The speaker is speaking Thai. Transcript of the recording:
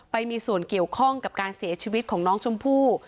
ไปมีส่วนเกี่ยวข้องกับการเสียชีวิตของน้องชมพู่